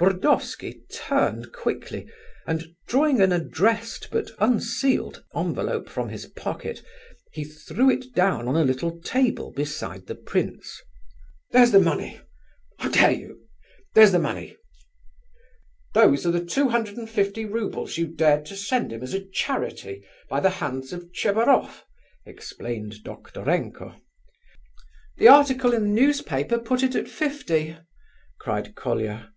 Burdovsky turned quickly, and drawing an addressed but unsealed envelope from his pocket, he threw it down on a little table beside the prince. "There's the money!... How dare you?... The money!" "Those are the two hundred and fifty roubles you dared to send him as a charity, by the hands of Tchebaroff," explained Doktorenko. "The article in the newspaper put it at fifty!" cried Colia.